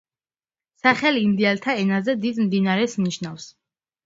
სახელი ინდიელთა ენაზე „დიდ მდინარეს“ ნიშნავს.